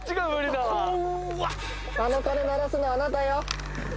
あの鐘鳴らすのはあなたよ。